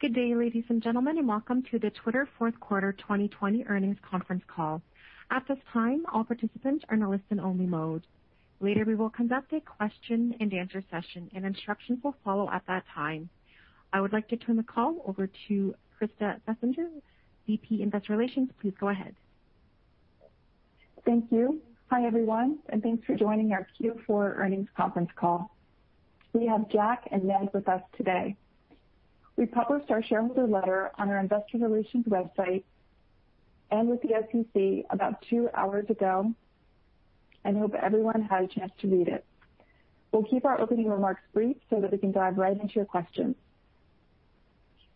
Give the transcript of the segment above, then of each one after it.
Good day, ladies and gentlemen, welcome to the Twitter fourth quarter 2020 earnings conference call. At this time, all participants are in a listen-only mode. Later, we will conduct a question and answer session. Instructions will follow at that time. I would like to turn the call over to Krista Bessinger, VP Investor Relations. Please go ahead. Thank you. Hi, everyone, and thanks for joining our Q4 earnings conference call. We have Jack and Ned with us today. We published our shareholder letter on our investor relations website and with the SEC about two hours ago and hope everyone had a chance to read it. We'll keep our opening remarks brief so that we can dive right into your questions.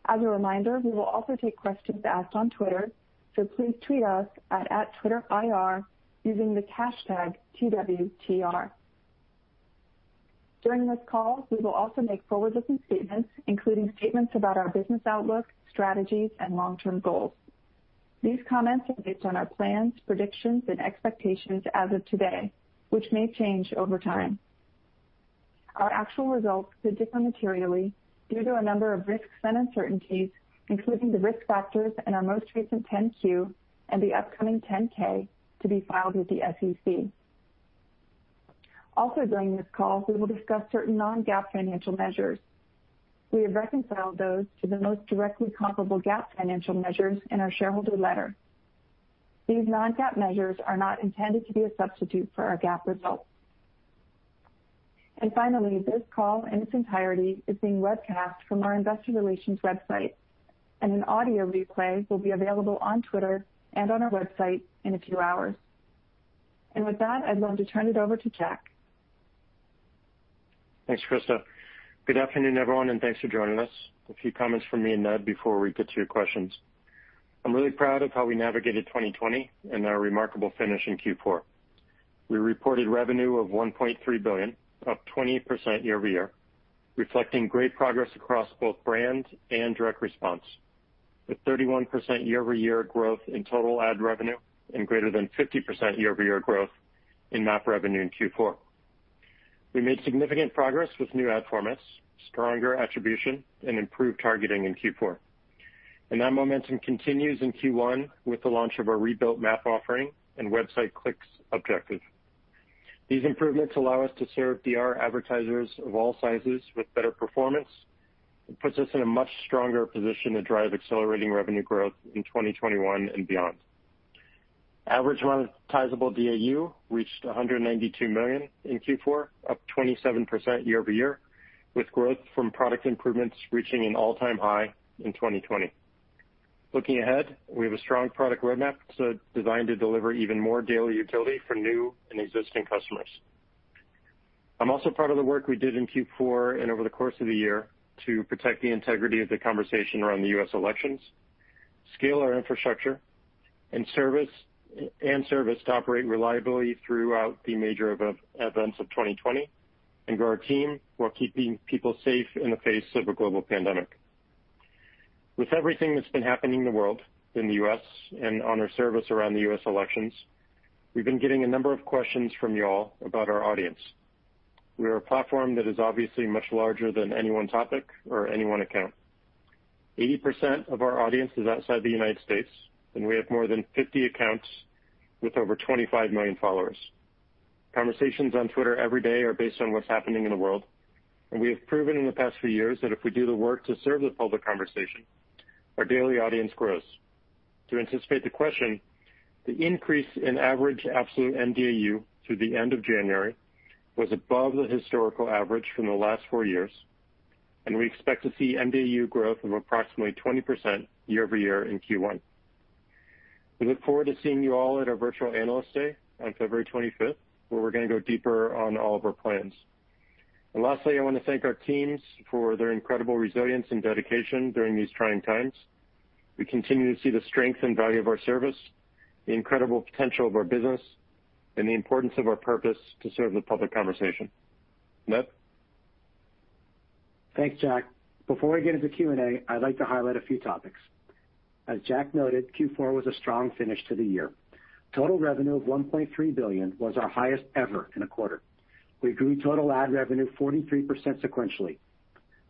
As a reminder, we will also take questions asked on Twitter, so please tweet us at @TwitterIR using the hashtag #TWTR. During this call, we will also make forward-looking statements, including statements about our business outlook, strategies, and long-term goals. These comments are based on our plans, predictions, and expectations as of today, which may change over time. Our actual results could differ materially due to a number of risks and uncertainties, including the risk factors in our most recent 10-Q and the upcoming 10-K to be filed with the SEC. Also, during this call, we will discuss certain Non-GAAP financial measures. We have reconciled those to the most directly comparable GAAP financial measures in our shareholder letter. These Non-GAAP measures are not intended to be a substitute for our GAAP results. Finally, this call in its entirety is being webcast from our investor relations website, and an audio replay will be available on Twitter and on our website in a few hours. With that, I'd love to turn it over to Jack. Thanks, Krista. Good afternoon, everyone, thanks for joining us. A few comments from me and Ned before we get to your questions. I'm really proud of how we navigated 2020 and our remarkable finish in Q4. We reported revenue of $1.3 billion, up 20% year-over-year, reflecting great progress across both brand and direct response. 31% year-over-year growth in total ad revenue and greater than 50% year-over-year growth in MAP revenue in Q4. We made significant progress with new ad formats, stronger attribution, and improved targeting in Q4. That momentum continues in Q1 with the launch of our rebuilt MAP offering and Website Clicks objective. These improvements allow us to serve DR advertisers of all sizes with better performance. It puts us in a much stronger position to drive accelerating revenue growth in 2021 and beyond. Average monetizable MDAU reached 192 million in Q4, up 27% year-over-year, with growth from product improvements reaching an all-time high in 2020. Looking ahead, we have a strong product roadmap designed to deliver even more daily utility for new and existing customers. I'm also proud of the work we did in Q4 and over the course of the year to protect the integrity of the conversation around the U.S. elections, scale our infrastructure and service to operate reliably throughout the major events of 2020, and grow our team while keeping people safe in the face of a global pandemic. With everything that's been happening in the world, in the U.S., and on our service around the U.S. elections, we've been getting a number of questions from you all about our audience. We are a platform that is obviously much larger than any one topic or any one account. 80% of our audience is outside the United States, we have more than 50 accounts with over 25 million followers. Conversations on Twitter every day are based on what's happening in the world, we have proven in the past few years that if we do the work to serve the public conversation, our daily audience grows. To anticipate the question, the increase in average absolute MDAU through the end of January was above the historical average from the last four years, we expect to see MDAU growth of approximately 20% year-over-year in Q1. We look forward to seeing you all at our virtual Analyst Day on February 25th, where we're going to go deeper on all of our plans. Lastly, I want to thank our teams for their incredible resilience and dedication during these trying times. We continue to see the strength and value of our service, the incredible potential of our business, and the importance of our purpose to serve the public conversation. Ned. Thanks, Jack. Before we get into Q&A, I'd like to highlight a few topics. As Jack noted, Q4 was a strong finish to the year. Total revenue of $1.3 billion was our highest ever in a quarter. We grew total ad revenue 43% sequentially.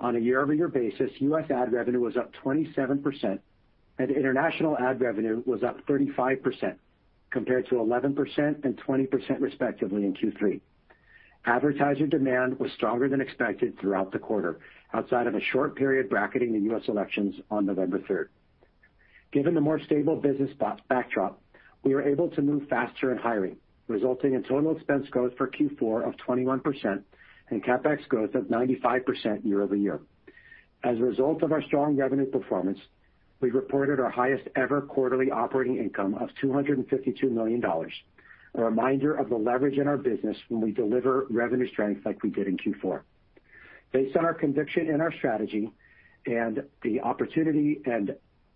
On a year-over-year basis, U.S. ad revenue was up 27%, and international ad revenue was up 35%, compared to 11% and 20% respectively in Q3. Advertiser demand was stronger than expected throughout the quarter, outside of a short period bracketing the U.S. elections on November 3rd. Given the more stable business backdrop, we were able to move faster in hiring, resulting in total expense growth for Q4 of 21% and CapEx growth of 95% year-over-year. As a result of our strong revenue performance, we reported our highest ever quarterly operating income of $252 million. A reminder of the leverage in our business when we deliver revenue strength like we did in Q4. Based on our conviction in our strategy and the opportunity and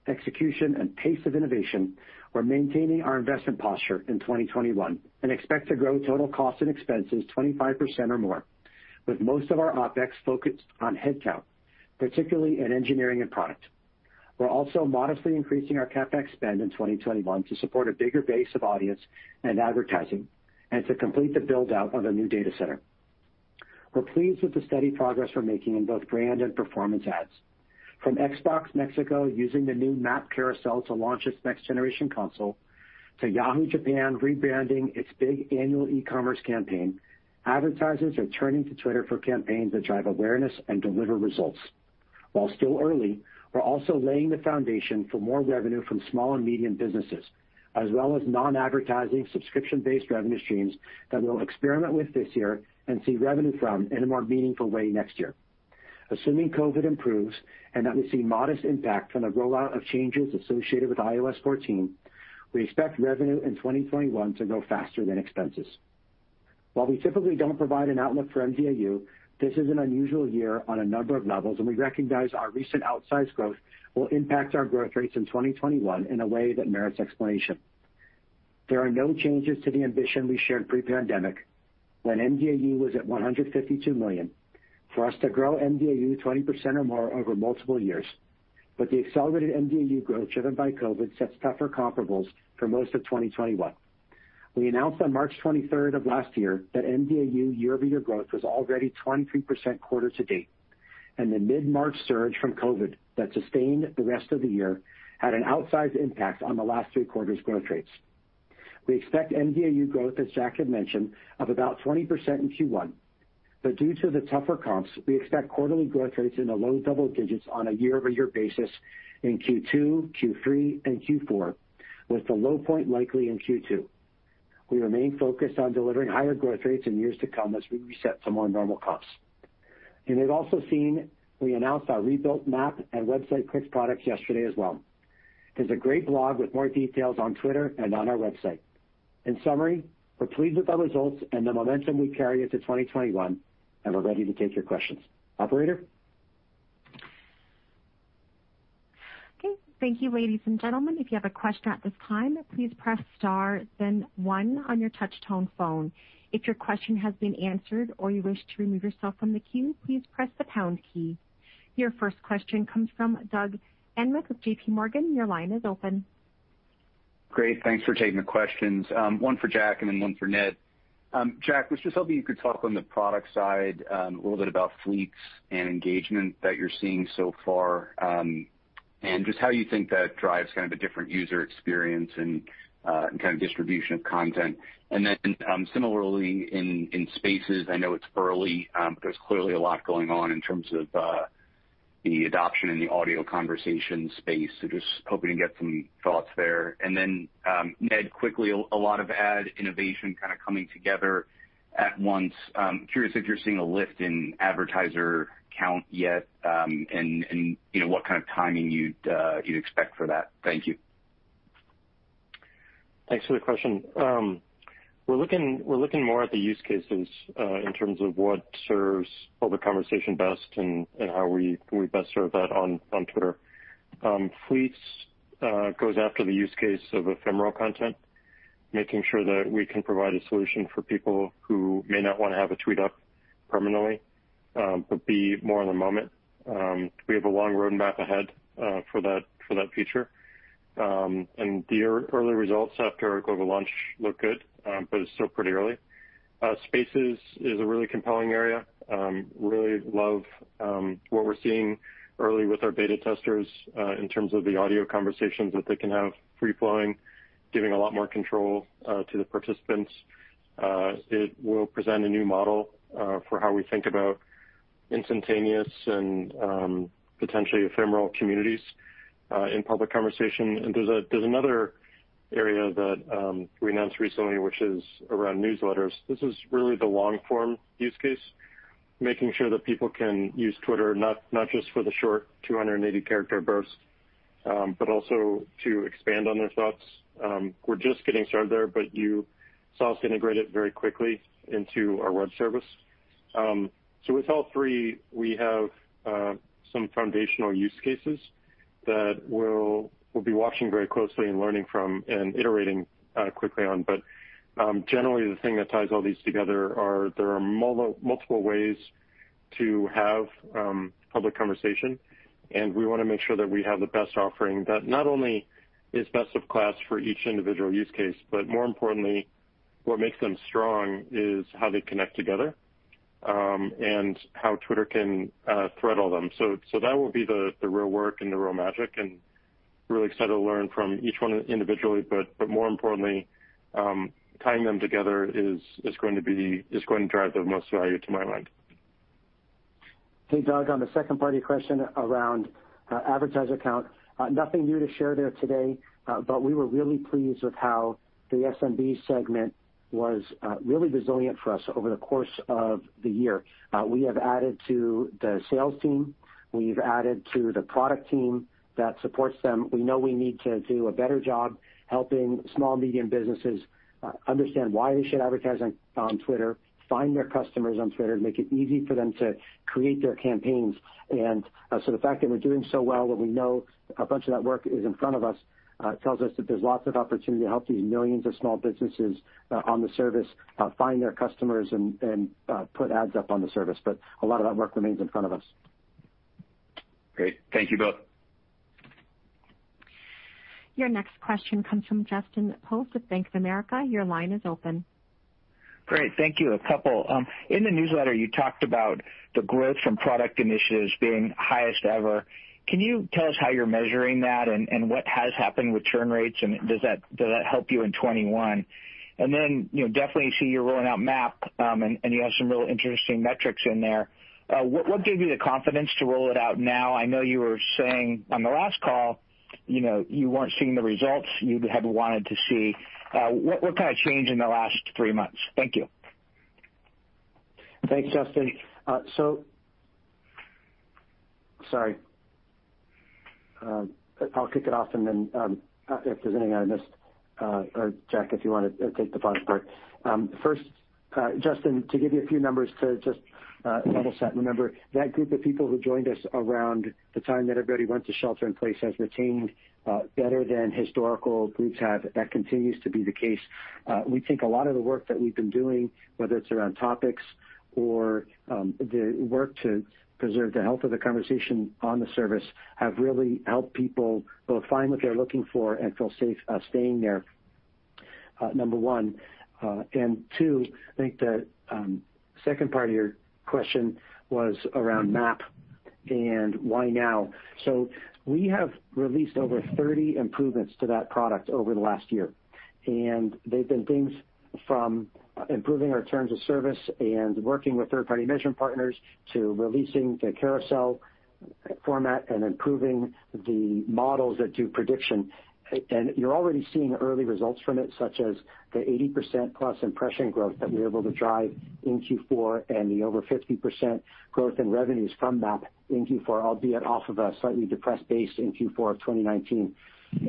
execution and pace of innovation, we're maintaining our investment posture in 2021 and expect to grow total costs and expenses 25% or more, with most of our OpEx focused on headcount, particularly in engineering and product. We're also modestly increasing our CapEx spend in 2021 to support a bigger base of audience and advertising, and to complete the build-out of a new data center. We're pleased with the steady progress we're making in both brand and performance ads. From Xbox México using the new MAP carousel to launch its next-generation console to Yahoo Japan rebranding its big annual e-commerce campaign, advertisers are turning to Twitter for campaigns that drive awareness and deliver results. While still early, we're also laying the foundation for more revenue from small and medium businesses, as well as non-advertising, subscription-based revenue streams that we'll experiment with this year and see revenue from in a more meaningful way next year. Assuming COVID improves and that we see modest impact from the rollout of changes associated with iOS 14, we expect revenue in 2021 to grow faster than expenses. While we typically don't provide an outlook for MDAU, this is an unusual year on a number of levels, and we recognize our recent outsized growth will impact our growth rates in 2021 in a way that merits explanation. There are no changes to the ambition we shared pre-pandemic when MDAU was at 152 million for us to grow MDAU 20% or more over multiple years. The accelerated MDAU growth driven by COVID sets tougher comparables for most of 2021. We announced on March 23rd of last year that MDAU year-over-year growth was already 23% quarter to date, and the mid-March surge from COVID that sustained the rest of the year had an outsized impact on the last three quarters' growth rates. We expect MDAU growth, as Jack had mentioned, of about 20% in Q1, but due to the tougher comps, we expect quarterly growth rates in the low double digits on a year-over-year basis in Q2, Q3, and Q4, with the low point likely in Q2. We remain focused on delivering higher growth rates in years to come as we reset to more normal comps. You may have also seen we announced our rebuilt MAP and Website Clicks products yesterday as well. There's a great blog with more details on Twitter and on our website. In summary, we're pleased with our results and the momentum we carry into 2021, and we're ready to take your questions. Operator? Okay. Thank you, ladies and gentlemen. If you have a question at this time, please press star then one on your touch-tone phone. If your question has been answered or you wish to remove yourself from the queue, please press the pound key. Your first question comes from Doug Anmuth with JPMorgan. Your line is open. Great. Thanks for taking the questions. One for Jack and then one for Ned. Jack, I was just hoping you could talk on the product side a little bit about Fleets and engagement that you're seeing so far, and just how you think that drives kind of a different user experience and kind of distribution of content. Similarly in Spaces, I know it's early, but there's clearly a lot going on in terms of the adoption in the audio conversation space. Just hoping to get some thoughts there. Ned, quickly, a lot of ad innovation kind of coming together at once. Curious if you're seeing a lift in advertiser count yet, and what kind of timing you'd expect for that. Thank you. Thanks for the question. We're looking more at the use cases, in terms of what serves public conversation best and how we best serve that on Twitter. Fleets goes after the use case of ephemeral content, making sure that we can provide a solution for people who may not want to have a tweet up permanently, but be more in the moment. We have a long road map ahead for that feature. The early results after our global launch look good, but it's still pretty early. Spaces is a really compelling area. Really love what we're seeing early with our beta testers, in terms of the audio conversations that they can have free flowing, giving a lot more control to the participants. It will present a new model for how we think about instantaneous and potentially ephemeral communities in public conversation. There's another area that we announced recently, which is around newsletters. This is really the long-form use case, making sure that people can use Twitter not just for the short 280-character bursts, but also to expand on their thoughts. We're just getting started there, but you saw us integrate it very quickly into our web service. With all three, we have some foundational use cases that we'll be watching very closely and learning from and iterating quickly on. Generally, the thing that ties all these together are there are multiple ways to have public conversation, and we want to make sure that we have the best offering that not only is best of class for each individual use case, but more importantly, what makes them strong is how they connect together, and how Twitter can thread all them. That will be the real work and the real magic. Really excited to learn from each one individually, but more importantly, tying them together is going to drive the most value to my mind. Hey, Doug. On the second part of your question around advertiser count. Nothing new to share there today. We were really pleased with how the SMB segment was really resilient for us over the course of the year. We have added to the sales team. We've added to the product team that supports them. We know we need to do a better job helping small, medium businesses understand why they should advertise on Twitter, find their customers on Twitter, and make it easy for them to create their campaigns. The fact that we're doing so well when we know a bunch of that work is in front of us, tells us that there's lots of opportunity to help these millions of small businesses on the service find their customers and put ads up on the service. A lot of that work remains in front of us. Great. Thank you both. Your next question comes from Justin Post with Bank of America. Your line is open. Great. Thank you. A couple. In the newsletter, you talked about the growth from product initiatives being highest ever. Can you tell us how you're measuring that and what has happened with churn rates? Does that help you in 2021? Then, definitely see you're rolling out MAP, and you have some real interesting metrics in there. What gave you the confidence to roll it out now? I know you were saying on the last call, you weren't seeing the results you had wanted to see. What kind of change in the last three months? Thank you. Thanks, Justin. Sorry. I'll kick it off and then, if there's anything I missed, or Jack, if you want to take the final part. First, Justin, to give you a few numbers to just level set. Remember, that group of people who joined us around the time that everybody went to shelter in place has retained better than historical groups have. That continues to be the case. We think a lot of the work that we've been doing, whether it's around topics or the work to preserve the health of the conversation on the service, have really helped people both find what they're looking for and feel safe staying there, number one. Two, I think the second part of your question was around MAP and why now. We have released over 30 improvements to that product over the last year, and they've been things from improving our terms of service and working with third-party measurement partners, to releasing the carousel format and improving the models that do prediction. You're already seeing early results from it, such as the 80%-plus impression growth that we were able to drive in Q4 and the over 50% growth in revenues from that in Q4, albeit off of a slightly depressed base in Q4 of 2019.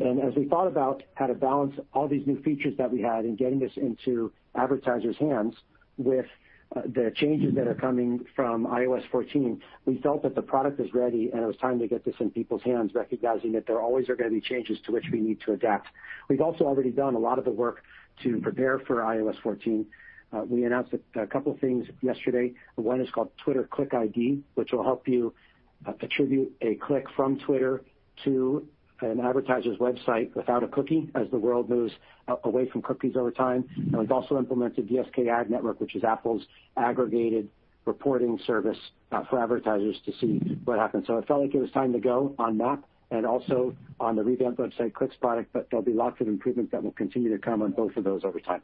As we thought about how to balance all these new features that we had in getting this into advertisers' hands with the changes that are coming from iOS 14, we felt that the product is ready, and it was time to get this in people's hands, recognizing that there always are going to be changes to which we need to adapt. We've also already done a lot of the work to prepare for iOS 14. We announced a couple things yesterday. One is called Twitter Click ID, which will help you attribute a click from Twitter to an an advertiser's website without a cookie as the world moves away from cookies over time. We've also implemented SKAdNetwork, which is Apple's aggregated reporting service for advertisers to see what happened. It felt like it was time to go on MAP and also on the revamped Website Clicks product. There'll be lots of improvements that will continue to come on both of those over time.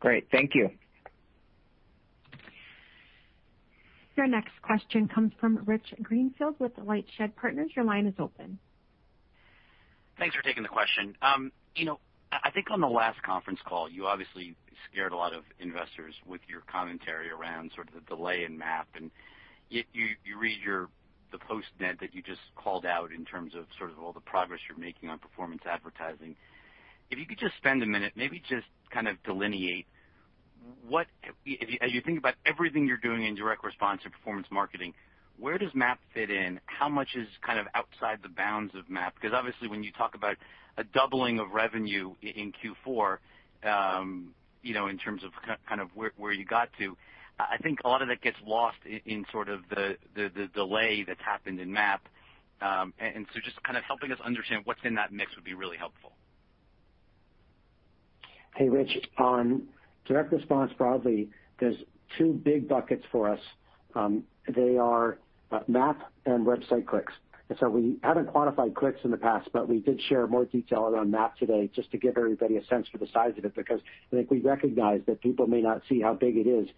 Great. Thank you. Your next question comes from Rich Greenfield with LightShed Partners. Your line is open. Thanks for taking the question. I think on the last conference call, you obviously scared a lot of investors with your commentary around the delay in MAP, yet you read the post, Ned that you just called out in terms of all the progress you're making on performance advertising. If you could just spend a minute, maybe just delineate as you think about everything you're doing in direct response and performance marketing, where does MAP fit in? How much is outside the bounds of MAP? Obviously, when you talk about a doubling of revenue in Q4, in terms of where you got to, I think a lot of that gets lost in the delay that's happened in MAP. Just helping us understand what's in that mix would be really helpful. Hey, Rich. On direct response, broadly, there are two big buckets for us. They are MAP and Website Clicks. We haven't quantified Clicks in the past, but we did share more detail around MAP today just to give everybody a sense for the size of it, because I think we recognize that people may not see how big it is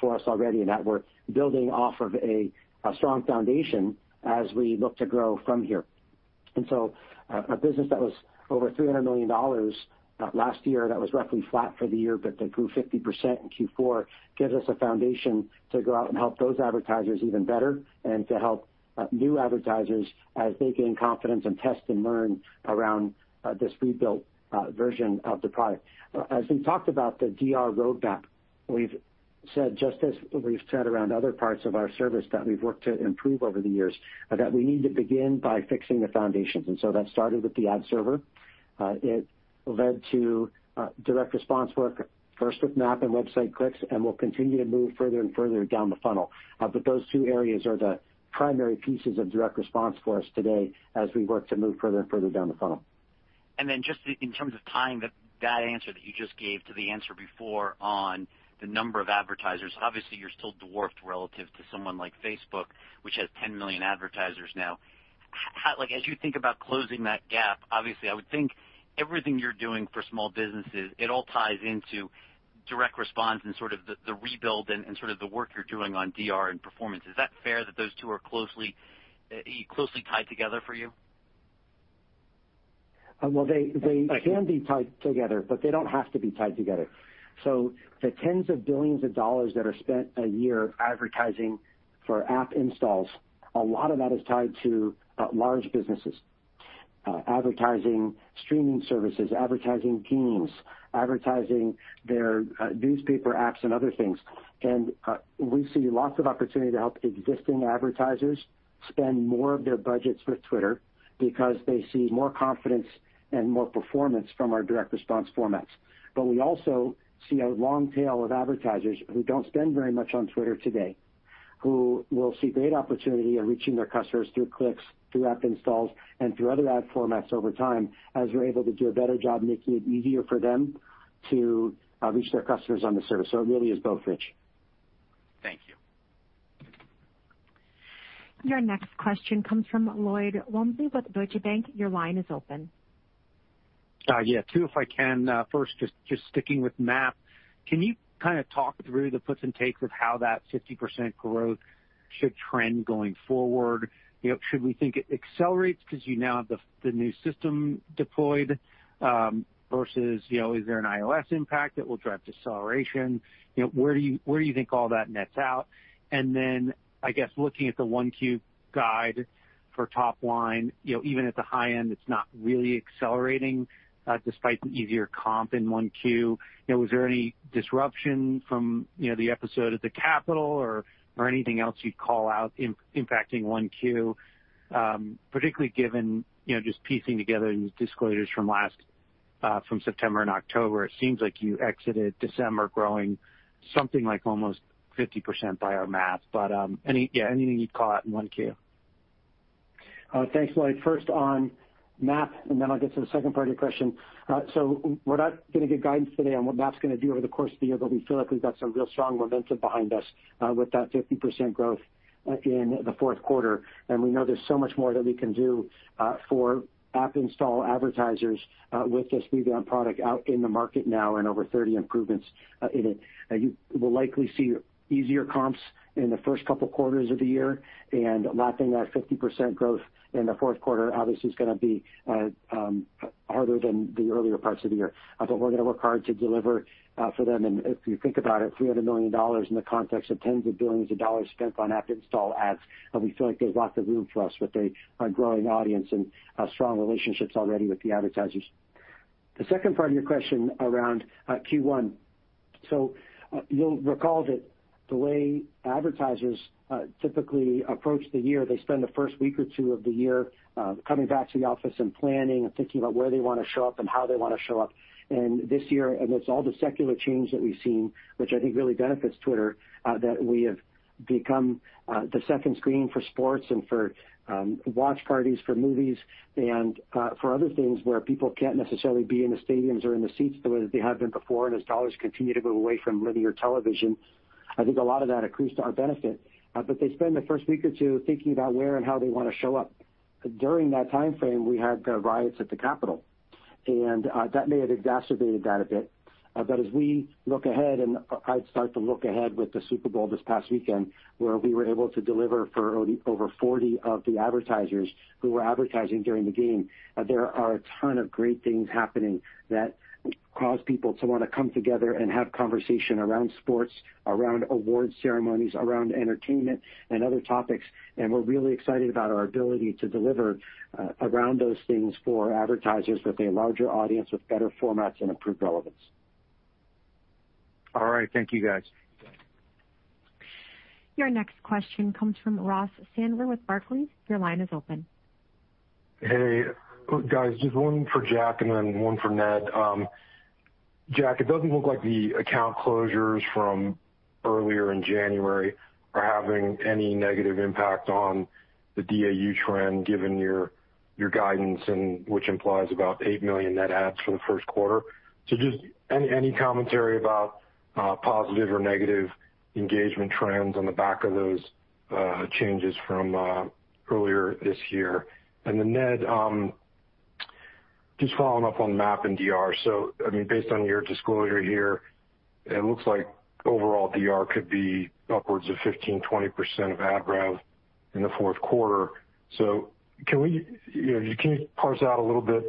for us already, and that we're building off of a strong foundation as we look to grow from here. A business that was over $300 million last year, that was roughly flat for the year, but that grew 50% in Q4, gives us a foundation to go out and help those advertisers even better and to help new advertisers as they gain confidence and test and learn around this rebuilt version of the product. As we talked about the DR roadmap, we've said, just as we've said around other parts of our service that we've worked to improve over the years, that we need to begin by fixing the foundations. That started with the ad server. It led to direct response work, first with MAP and Website Clicks, and we'll continue to move further and further down the funnel. Those two areas are the primary pieces of direct response for us today as we work to move further and further down the funnel. Just in terms of tying that answer that you just gave to the answer before on the number of advertisers, obviously, you're still dwarfed relative to someone like Facebook, which has 10 million advertisers now. As you think about closing that gap, obviously, I would think everything you're doing for small businesses, it all ties into direct response and the rebuild and the work you're doing on DR and performance. Is that fair that those two are closely tied together for you? Well, they can be tied together, but they don't have to be tied together. The tens of billions of dollars that are spent a year advertising for app installs, a lot of that is tied to large businesses. Advertising streaming services, advertising games, advertising their newspaper apps and other things. We see lots of opportunity to help existing advertisers spend more of their budgets with Twitter because they see more confidence and more performance from our direct response formats. We also see a long tail of advertisers who don't spend very much on Twitter today, who will see great opportunity in reaching their customers through clicks, through app installs, and through other ad formats over time, as we're able to do a better job making it easier for them to reach their customers on the service. It really is both Rich. Thank you. Your next question comes from Lloyd Walmsley with Deutsche Bank. Your line is open. Two, if I can. First, just sticking with MAP. Can you talk through the puts and takes of how that 50% growth should trend going forward? Should we think it accelerates because you now have the new system deployed, versus is there an iOS impact that will drive deceleration? Where do you think all that nets out? Then, I guess looking at the 1Q guide for top line, even at the high end, it's not really accelerating, despite the easier comp in 1Q. Was there any disruption from the episode at the Capitol or anything else you'd call out impacting 1Q, particularly given just piecing together these disclosures from September and October. It seems like you exited December growing something like almost 50% by our math. Anything you'd call out in 1Q. Thanks, Lloyd. First on MAP, then I'll get to the second part of your question. We're not going to give guidance today on what MAP's going to do over the course of the year, we feel like we've got some real strong momentum behind us with that 50% growth in the fourth quarter. We know there's so much more that we can do for app install advertisers with this revamped product out in the market now and over 30 improvements in it. You will likely see easier comps in the first couple quarters of the year, lapping that 50% growth in the fourth quarter obviously is going to be harder than the earlier parts of the year. We're going to work hard to deliver for them. If you think about it, $300 million in the context of tens of billions of dollars spent on app install ads, we feel like there's lots of room for us with a growing audience and strong relationships already with the advertisers. The second part of your question around Q1. You'll recall that the way advertisers typically approach the year, they spend the first week or two of the year coming back to the office and planning and thinking about where they want to show up and how they want to show up. This year, amidst all the secular change that we've seen, which I think really benefits Twitter, that we have become the second screen for sports and for watch parties for movies and for other things where people can't necessarily be in the stadiums or in the seats the way that they have been before. As dollars continue to move away from linear television, I think a lot of that accrues to our benefit. They spend the first week or two thinking about where and how they want to show up. During that timeframe, we had the riots at the Capitol, and that may have exacerbated that a bit. As we look ahead, I'd start to look ahead with the Super Bowl this past weekend, where we were able to deliver for over 40 of the advertisers who were advertising during the game. There are a ton of great things happening that cause people to want to come together and have conversation around sports, around award ceremonies, around entertainment and other topics. We're really excited about our ability to deliver around those things for advertisers with a larger audience, with better formats, and improved relevance. All right. Thank you, guys. Your next question comes from Ross Sandler with Barclays. Your line is open. Hey. Guys, just one for Jack and then one for Ned. Jack, it doesn't look like the account closures from earlier in January are having any negative impact on the MDAU trend, given your guidance, which implies about 8 million net adds for the first quarter. Just any commentary about positive or negative engagement trends on the back of those changes from earlier this year? Ned, just following up on MAP and DR. Based on your disclosure here, it looks like overall DR could be upwards of 15%-20% of ad rev in the fourth quarter. Can you parse out a little bit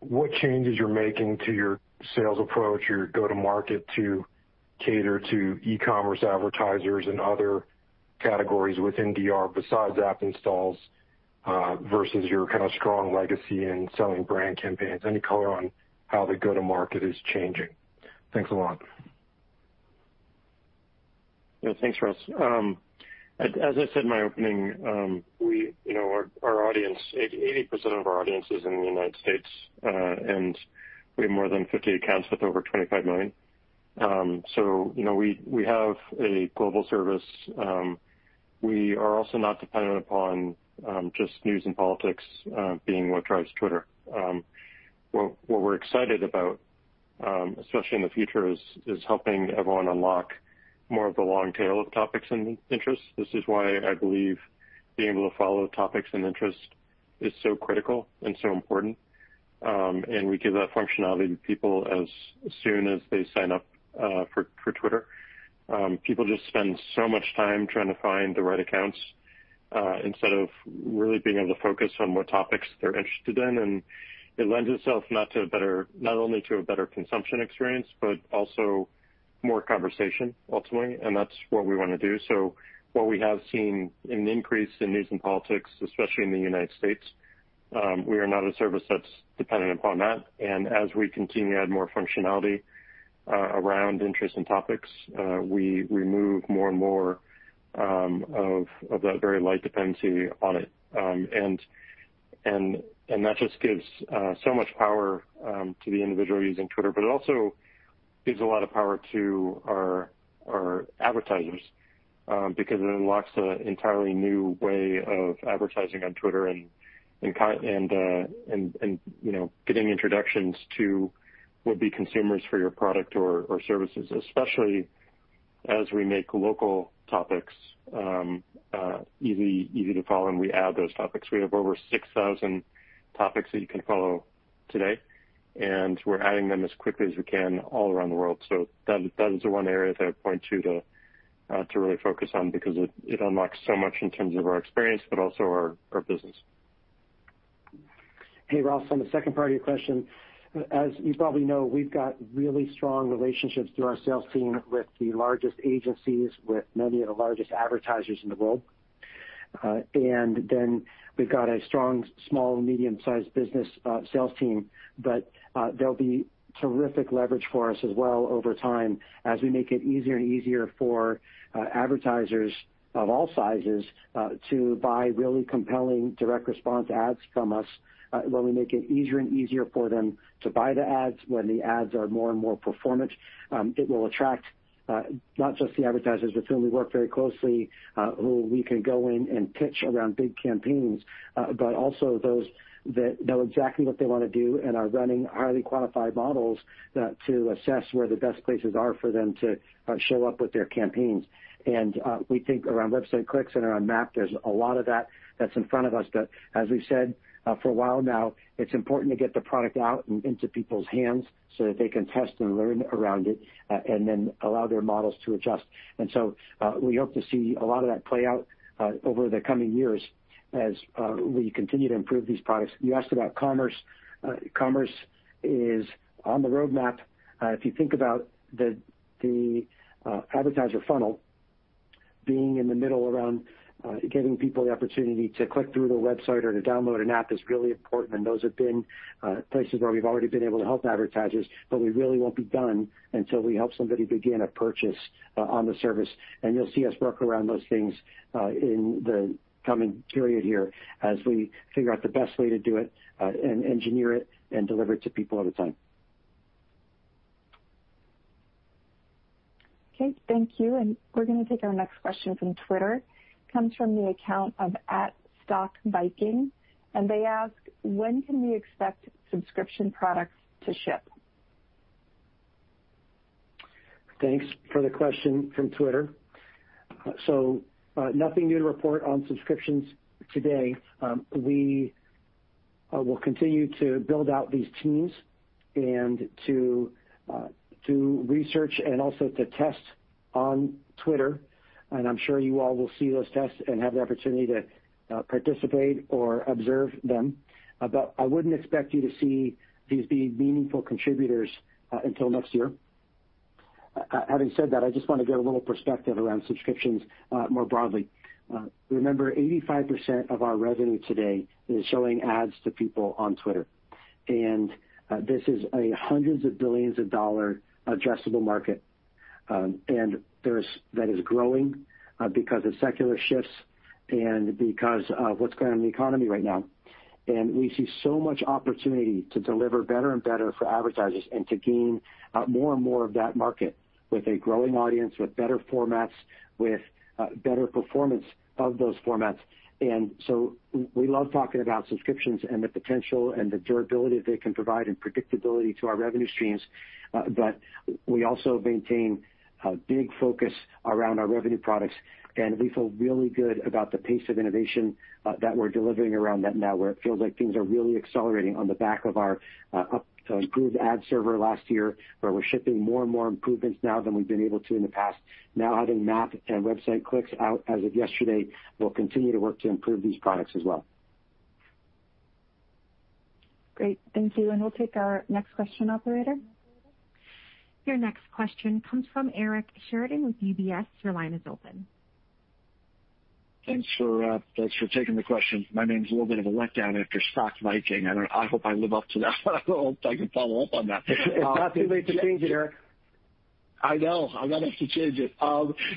what changes you're making to your sales approach or your go-to-market to cater to e-commerce advertisers and other categories within DR besides app installs versus your strong legacy in selling brand campaigns? Any color on how the go-to-market is changing? Thanks a lot. Yeah. Thanks, Ross. As I said in my opening, 80% of our audience is in the U.S. We have more than 50 accounts with over 25 million. We have a global service. We are also not dependent upon just news and politics being what drives Twitter. What we're excited about, especially in the future, is helping everyone unlock more of the long tail of topics and interests. This is why I believe being able to follow topics and interests is so critical and so important, and we give that functionality to people as soon as they sign up for Twitter. People just spend so much time trying to find the right accounts instead of really being able to focus on what topics they're interested in. It lends itself not only to a better consumption experience, but also more conversation ultimately, and that's what we want to do. While we have seen an increase in news and politics, especially in the U.S., we are not a service that's dependent upon that. As we continue to add more functionality around interests and topics, we remove more and more of that very light dependency on it. That just gives so much power to the individual using Twitter, but it also gives a lot of power to our advertisers because it unlocks an entirely new way of advertising on Twitter and getting introductions to would-be consumers for your product or services, especially as we make local topics easy to follow and we add those topics. We have over 6,000 topics that you can follow today, and we're adding them as quickly as we can all around the world. That is the one area that I would point to really focus on because it unlocks so much in terms of our experience, but also our business. Hey, Ross, on the second part of your question, as you probably know, we've got really strong relationships through our sales team with the largest agencies, with many of the largest advertisers in the world. We've got a strong small and medium-sized business sales team. There'll be terrific leverage for us as well over time as we make it easier and easier for advertisers of all sizes to buy really compelling direct response ads from us. When we make it easier and easier for them to buy the ads, when the ads are more and more performant, it will attract not just the advertisers with whom we work very closely, who we can go in and pitch around big campaigns, but also those that know exactly what they want to do and are running highly qualified models to assess where the best places are for them to show up with their campaigns. We think around Website Clicks and around MAP, there's a lot of that that's in front of us. As we've said for a while now, it's important to get the product out into people's hands so that they can test and learn around it and then allow their models to adjust. We hope to see a lot of that play out over the coming years as we continue to improve these products. You asked about commerce. Commerce is on the roadmap. If you think about the advertiser funnel, being in the middle around giving people the opportunity to click through to the website or to download an app is really important, and those have been places where we've already been able to help advertisers, but we really won't be done until we help somebody begin a purchase on the service. You'll see us work around those things in the coming period here as we figure out the best way to do it and engineer it and deliver it to people over time. Okay. Thank you. We're going to take our next question from Twitter. Comes from the account of @StockViking, and they ask, "When can we expect subscription products to ship? Thanks for the question from Twitter. Nothing new to report on subscriptions today. We will continue to build out these teams and to research and also to test on Twitter. I'm sure you all will see those tests and have the opportunity to participate or observe them. I wouldn't expect you to see these be meaningful contributors until next year. Having said that, I just want to give a little perspective around subscriptions more broadly. Remember, 85% of our revenue today is showing ads to people on Twitter, and this is a hundreds of billions of dollars addressable market, and that is growing because of secular shifts and because of what's going on in the economy right now. We see so much opportunity to deliver better and better for advertisers and to gain more and more of that market with a growing audience, with better formats, with better performance of those formats. We love talking about subscriptions and the potential and the durability they can provide and predictability to our revenue streams. We also maintain a big focus around our revenue products, and we feel really good about the pace of innovation that we're delivering around that now, where it feels like things are really accelerating on the back of our improved Ad Server last year, where we're shipping more and more improvements now than we've been able to in the past. Now having MAP and Website Clicks out as of yesterday, we'll continue to work to improve these products as well. Great. Thank you. We'll take our next question, operator. Your next question comes from Eric Sheridan with UBS. Your line is open. Thanks for taking the question. My name's a little bit of a letdown after StockViking. I hope I live up to that. I hope I can follow up on that. It's not too late to change it, Eric. I know. I might have to change it.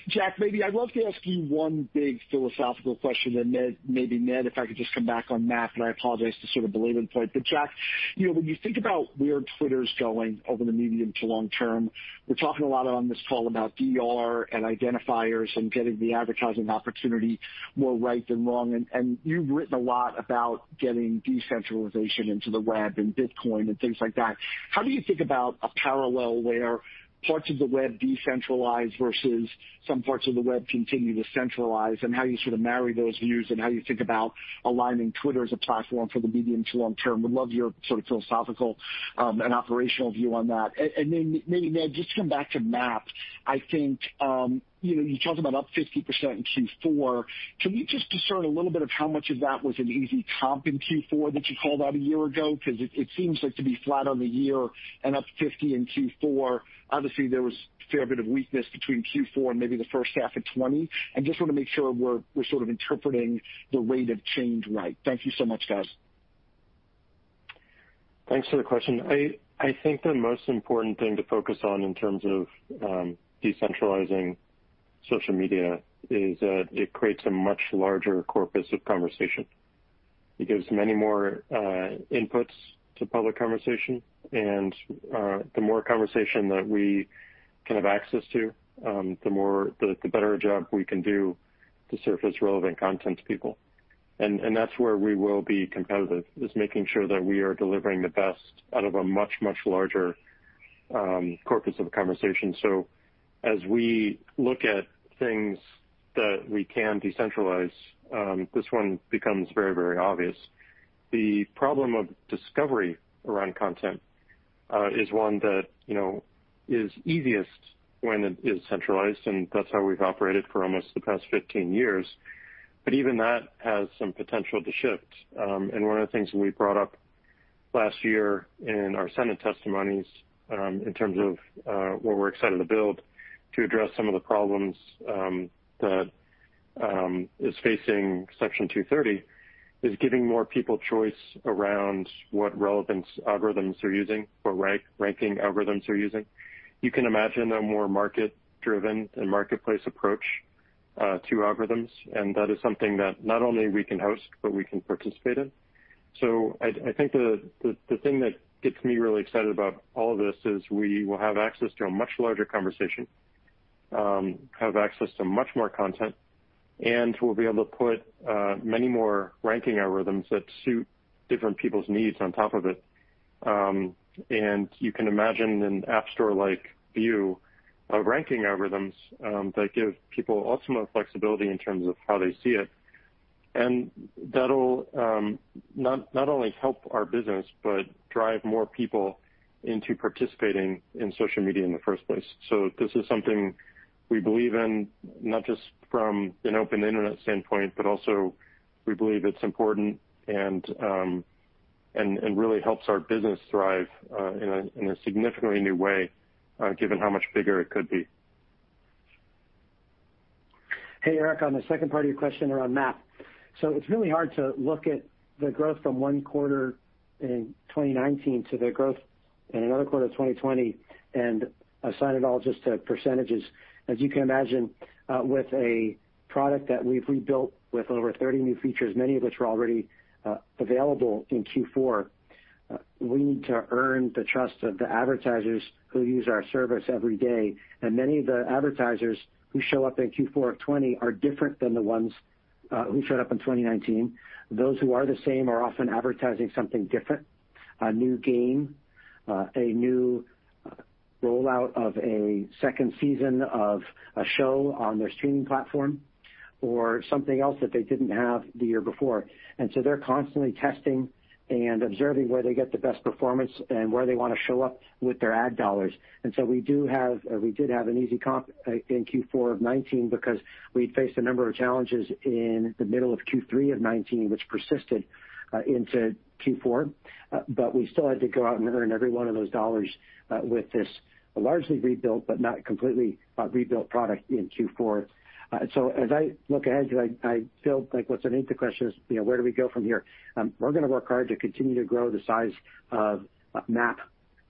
Jack, maybe I'd love to ask you one big philosophical question, and then maybe Ned, if I could just come back on MAP, and I apologize to sort of belabor the point. Jack, when you think about where Twitter's going over the medium to long term, we're talking a lot on this call about DR and identifiers and getting the advertising opportunity more right than wrong, and you've written a lot about getting decentralization into the web and Bitcoin and things like that. How do you think about a parallel where parts of the web decentralize versus some parts of the web continue to centralize, and how you sort of marry those views and how you think about aligning Twitter as a platform for the medium to long term? Would love your sort of philosophical and operational view on that. Maybe, Ned, just to come back to MAP. I think you talked about up 50% in Q4. Can you just discern a little bit of how much of that was an easy comp in Q4 that you called out a year ago? It seems like to be flat on the year and up 50% in Q4, obviously, there was a fair bit of weakness between Q4 and maybe the first half of 2020. I just want to make sure we're sort of interpreting the rate of change right. Thank you so much, guys. Thanks for the question. I think the most important thing to focus on in terms of decentralizing social media is that it creates a much larger corpus of conversation. The more conversation that we can have access to, the better a job we can do to surface relevant content to people. That's where we will be competitive, is making sure that we are delivering the best out of a much, much larger corpus of conversation. As we look at things that we can decentralize, this one becomes very, very obvious. The problem of discovery around content is one that is easiest when it is centralized, and that's how we've operated for almost the past 15 years. Even that has some potential to shift. One of the things we brought up last year in our Senate testimonies, in terms of what we're excited to build to address some of the problems that is facing Section 230, is giving more people choice around what relevance algorithms they're using, what ranking algorithms they're using. You can imagine a more market-driven and marketplace approach to algorithms, and that is something that not only we can host, but we can participate in. I think the thing that gets me really excited about all this is we will have access to a much larger conversation, have access to much more content, and we'll be able to put many more ranking algorithms that suit different people's needs on top of it. You can imagine an app store-like view of ranking algorithms that give people ultimate flexibility in terms of how they see it. That'll not only help our business, but drive more people into participating in social media in the first place. This is something we believe in, not just from an open internet standpoint, but also we believe it's important and really helps our business thrive in a significantly new way, given how much bigger it could be. Hey, Eric. On the second part of your question around MAP. It's really hard to look at the growth from one quarter in 2019 to the growth in another quarter of 2020 and assign it all just to percentages. As you can imagine, with a product that we've rebuilt with over 30 new features, many of which were already available in Q4, we need to earn the trust of the advertisers who use our service every day. Many of the advertisers who show up in Q4 of 2020 are different than the ones who showed up in 2019. Those who are the same are often advertising something different, a new game, a new rollout of a second season of a show on their streaming platform, or something else that they didn't have the year before. They're constantly testing and observing where they get the best performance and where they want to show up with their ad dollars. We did have an easy comp in Q4 of 2019 because we'd faced a number of challenges in the middle of Q3 of 2019, which persisted into Q4. We still had to go out and earn every one of those dollars with this largely rebuilt, but not completely rebuilt product in Q4. As I look ahead, I feel like what's underneath the question is where do we go from here? We're going to work hard to continue to grow the size of MAP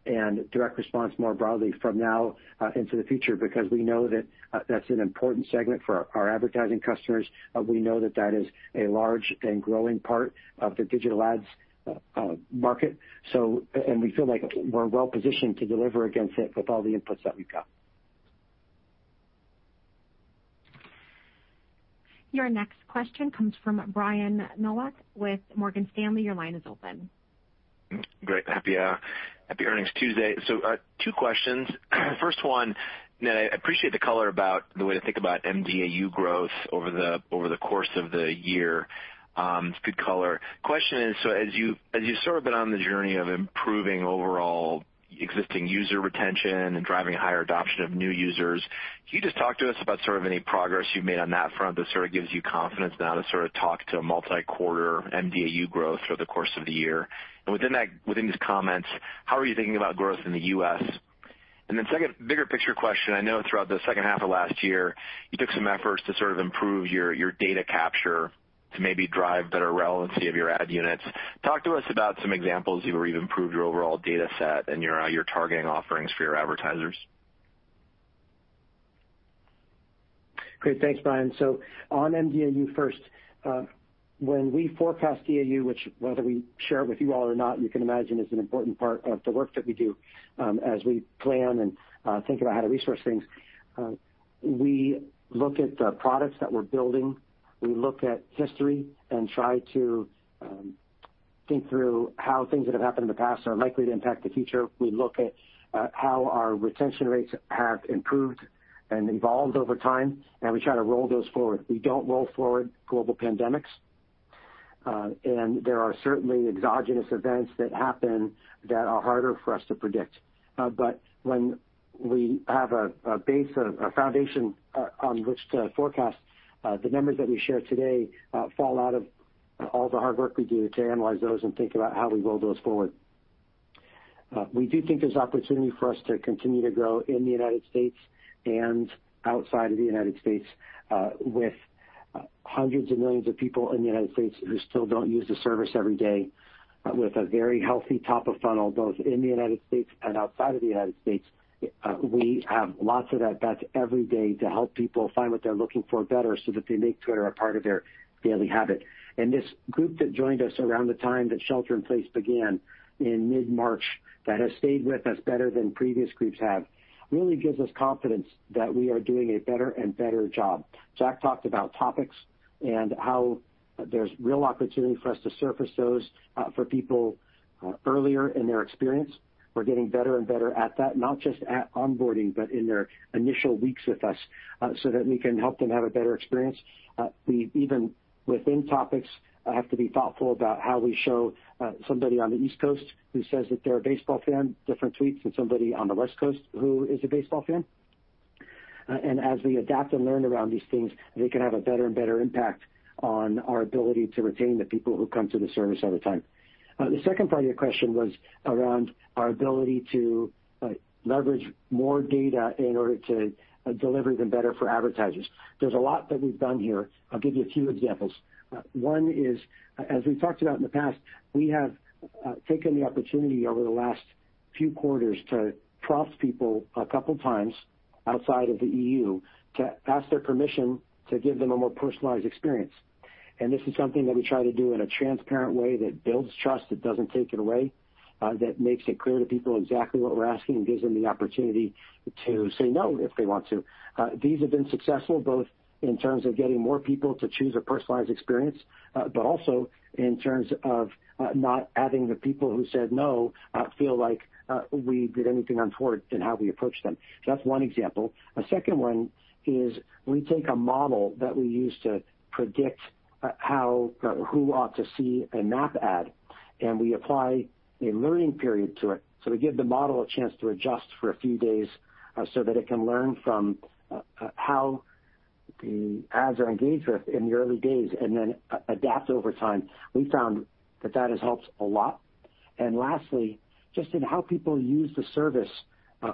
and direct response more broadly from now into the future, because we know that that's an important segment for our advertising customers. We know that that is a large and growing part of the digital ads market. We feel like we're well-positioned to deliver against it with all the inputs that we've got. Your next question comes from Brian Nowak with Morgan Stanley. Your line is open. Great. Happy hour. Happy earnings Tuesday. Two questions. First one, Ned, I appreciate the color about the way to think about MDAU growth over the course of the year. It's good color. Question is, so as you sort of been on the journey of improving overall existing user retention and driving higher adoption of new users, can you just talk to us about sort of any progress you've made on that front that sort of gives you confidence now to sort of talk to a multi-quarter MDAU growth over the course of the year? Within these comments, how are you thinking about growth in the U.S.? Second, bigger picture question. I know throughout the second half of last year, you took some efforts to sort of improve your data capture to maybe drive better relevancy of your ad units. Talk to us about some examples of where you've improved your overall data set and your targeting offerings for your advertisers. Great. Thanks, Brian. On MDAU first. When we forecast DAU, which whether we share it with you all or not, you can imagine is an important part of the work that we do as we plan and think about how to resource things. We look at the products that we're building. We look at history and try to think through how things that have happened in the past are likely to impact the future. We look at how our retention rates have improved and evolved over time, and we try to roll those forward. We don't roll forward global pandemics. There are certainly exogenous events that happen that are harder for us to predict. When we have a base, a foundation on which to forecast, the numbers that we share today fall out of all the hard work we do to analyze those and think about how we roll those forward. We do think there's opportunity for us to continue to grow in the United States and outside of the United States with hundreds of millions of people in the United States who still don't use the service every day, with a very healthy top of funnel, both in the United States and outside of the United States. We have lots of at-bats every day to help people find what they're looking for better so that they make Twitter a part of their daily habit. This group that joined us around the time that shelter in place began in mid-March, that has stayed with us better than previous groups have, really gives us confidence that we are doing a better and better job. Jack talked about topics and how there's real opportunity for us to surface those for people earlier in their experience. We're getting better and better at that, not just at onboarding, but in their initial weeks with us so that we can help them have a better experience. We even, within topics, have to be thoughtful about how we show somebody on the East Coast who says that they're a baseball fan different tweets than somebody on the West Coast who is a baseball fan. As we adapt and learn around these things, they can have a better and better impact on our ability to retain the people who come to the service all the time. The second part of your question was around our ability to leverage more data in order to deliver even better for advertisers. There's a lot that we've done here. I'll give you a few examples. One is, as we've talked about in the past, we have taken the opportunity over the last few quarters to prompt people a couple of times outside of the EU to ask their permission to give them a more personalized experience. This is something that we try to do in a transparent way that builds trust, that doesn't take it away, that makes it clear to people exactly what we're asking and gives them the opportunity to say no if they want to. These have been successful, both in terms of getting more people to choose a personalized experience, but also in terms of not having the people who said no feel like we did anything untoward in how we approached them. That's one example. A second one is we take a model that we use to predict who ought to see a MAP ad, and we apply a learning period to it. We give the model a chance to adjust for a few days so that it can learn from how the ads are engaged with in the early days and then adapt over time. We found that that has helped a lot. Lastly, just in how people use the service,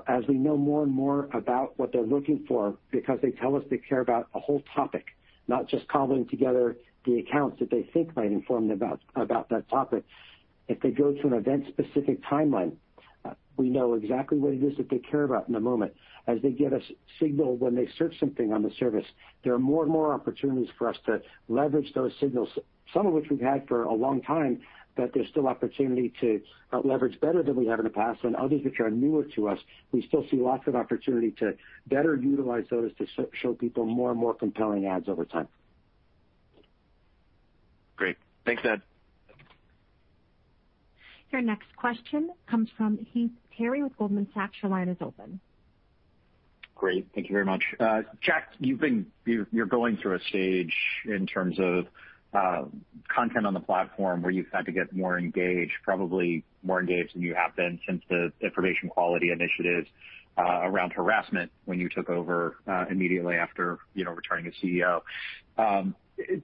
as we know more and more about what they're looking for because they tell us they care about a whole topic, not just cobbling together the accounts that they think might inform them about that topic. If they go to an event-specific timeline, we know exactly what it is that they care about in the moment. As they give us signal when they search something on the service, there are more and more opportunities for us to leverage those signals, some of which we've had for a long time, but there's still opportunity to leverage better than we have in the past and others which are newer to us. We still see lots of opportunity to better utilize those to show people more and more compelling ads over time. Great. Thanks, Ned. Your next question comes from Heath Terry with Goldman Sachs. Your line is open. Great. Thank you very much. Jack, you're going through a stage in terms of content on the platform where you've had to get more engaged, probably more engaged than you have been since the information quality initiatives around harassment when you took over immediately after returning as CEO.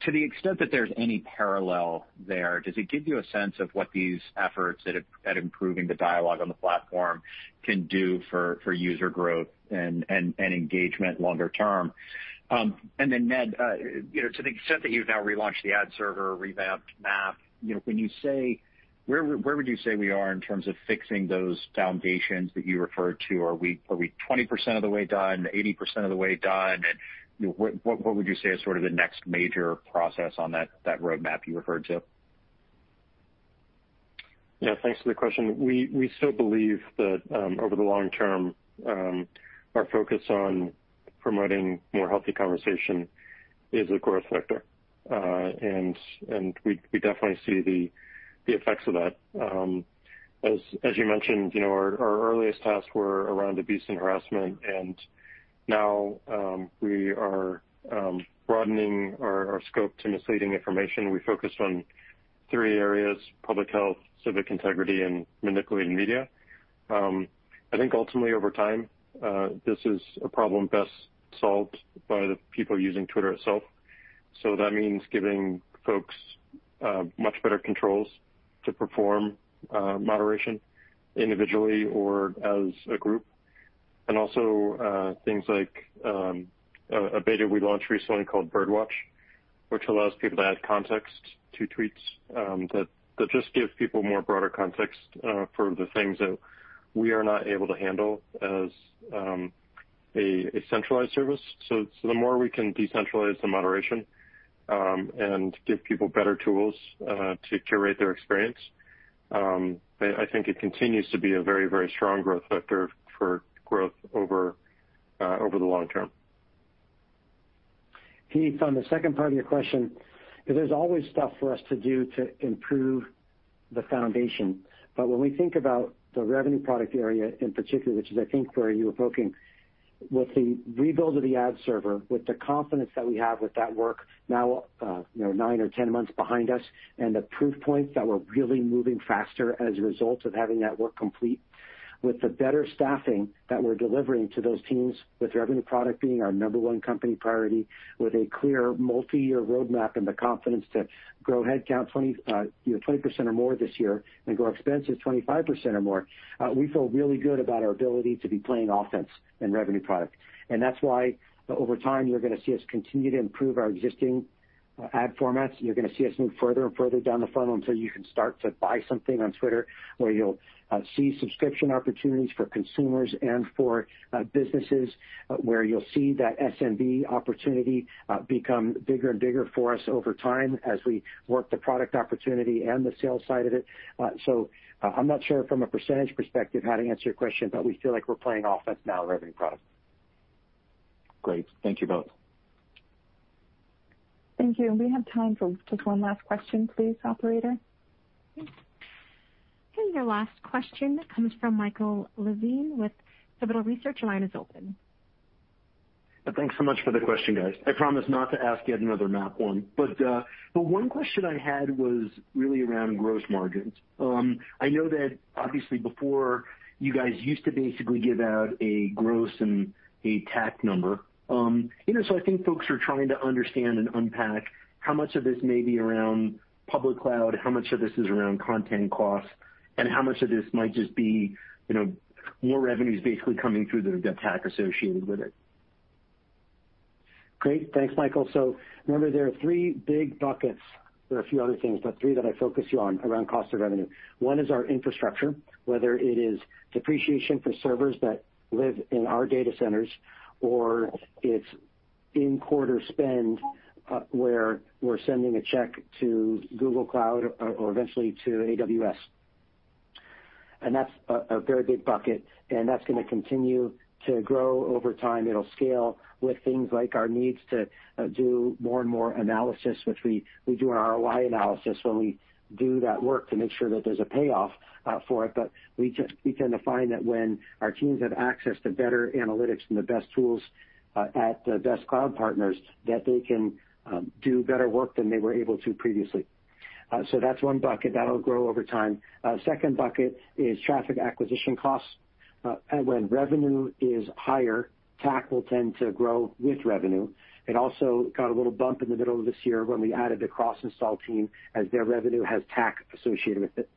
To the extent that there's any parallel there, does it give you a sense of what these efforts at improving the dialogue on the platform can do for user growth and engagement longer term? Ned, to the extent that you've now relaunched the Ad Server, revamped MAP, where would you say we are in terms of fixing those foundations that you referred to? Are we 20% of the way done, 80% of the way done? What would you say is sort of the next major process on that roadmap you referred to? Thanks for the question. We still believe that over the long term, our focus on promoting more healthy conversation is a growth vector. We definitely see the effects of that. As you mentioned, our earliest tasks were around abuse and harassment, and now we are broadening our scope to misleading information. We focus on three areas, public health, civic integrity, and manipulated media. I think ultimately, over time, this is a problem best solved by the people using Twitter itself. That means giving folks much better controls to perform moderation individually or as a group. Also things like a beta we launched recently called Birdwatch, which allows people to add context to tweets that just gives people more broader context for the things that we are not able to handle as a centralized service. The more we can decentralize the moderation and give people better tools to curate their experience, I think it continues to be a very strong growth vector for growth over the long term. Heath, on the second part of your question, there's always stuff for us to do to improve the foundation. When we think about the revenue product area in particular, which is I think where you were poking, with the rebuild of the Ad Server, with the confidence that we have with that work now nine or 10 months behind us, and the proof points that we're really moving faster as a result of having that work complete. With the better staffing that we're delivering to those teams, with revenue product being our number one company priority, with a clear multi-year roadmap and the confidence to grow headcount 20% or more this year and grow expenses 25% or more, we feel really good about our ability to be playing offense in revenue product. That's why over time, you're going to see us continue to improve our existing ad formats. You're going to see us move further and further down the funnel until you can start to buy something on Twitter, where you'll see subscription opportunities for consumers and for businesses, where you'll see that SMB opportunity become bigger and bigger for us over time as we work the product opportunity and the sales side of it. I'm not sure from a percentage perspective how to answer your question, but we feel like we're playing offense now in revenue products. Great. Thank you both. Thank you. We have time for just one last question, please, operator. Your last question comes from Michael Levine with Pivotal Research Group. Your line is open. Thanks so much for the question, guys. I promise not to ask yet another MAP one. The one question I had was really around gross margins. I know that obviously before, you guys used to basically give out a gross and a TAC number. I think folks are trying to understand and unpack how much of this may be around public cloud, how much of this is around content costs, and how much of this might just be more revenue is basically coming through that have TAC associated with it. Great. Thanks, Michael. Remember, there are three big buckets. There are a few other things, but three that I focus you on around cost of revenue. One is our infrastructure, whether it is depreciation for servers that live in our data centers, or it's in-quarter spend, where we're sending a check to Google Cloud or eventually to AWS. That's a very big bucket, and that's going to continue to grow over time. It'll scale with things like our needs to do more and more analysis, which we do an ROI analysis when we do that work to make sure that there's a payoff for it. We tend to find that when our teams have access to better analytics and the best tools at the best cloud partners, that they can do better work than they were able to previously. That's one bucket. That'll grow over time. Second bucket is traffic acquisition costs. When revenue is higher, TAC will tend to grow with revenue. It also got a little bump in the middle of this year when we added the CrossInstall team, as their revenue has TAC associated with it.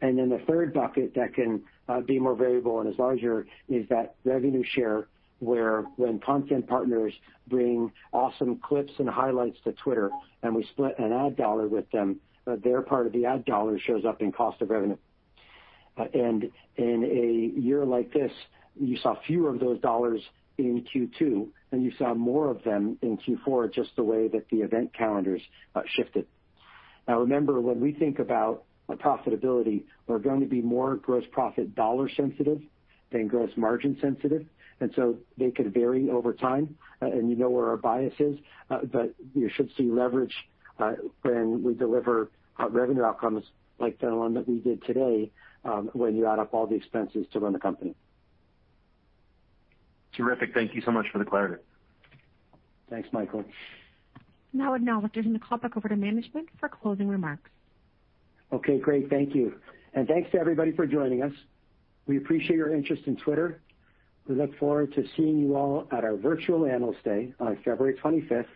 The third bucket that can be more variable and is larger is that revenue share, where when content partners bring awesome clips and highlights to Twitter and we split an ad dollar with them, their part of the ad dollar shows up in cost of revenue. In a year like this, you saw fewer of those dollars in Q2, and you saw more of them in Q4, just the way that the event calendars shifted. Remember, when we think about profitability, we're going to be more gross profit dollar sensitive than gross margin sensitive, and so they could vary over time. You know where our bias is. You should see leverage when we deliver revenue outcomes like the one that we did today, when you add up all the expenses to run the company. Terrific. Thank you so much for the clarity. Thanks, Michael. I would now like to turn the call back over to management for closing remarks. Okay, great. Thank you. Thanks to everybody for joining us. We appreciate your interest in Twitter. We look forward to seeing you all at our virtual Analyst Day on February 25th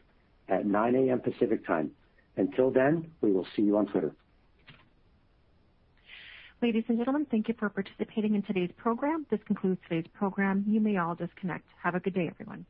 at 9:00 A.M. Pacific Time. Until then, we will see you on Twitter. Ladies and gentlemen, thank you for participating in today's program. This concludes today's program. You may all disconnect. Have a good day, everyone.